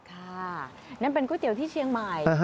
ค่ะนั่นเป็นก๋วยเตี๋ยวที่เชียงใหม่